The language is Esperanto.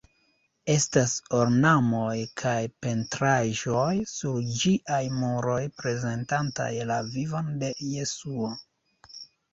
Estas ornamoj kaj pentraĵoj sur ĝiaj muroj prezentantaj la vivon de Jesuo.